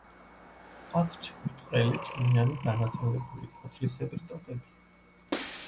აქვთ ბრტყელი, წვნიანი დანაწევრებული ფოთლისებრი ტოტები.